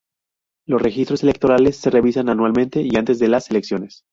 Los registros electorales se revisan anualmente y antes de las elecciones.